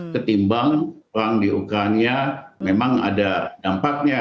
ketimbang perang di ukraina memang ada dampaknya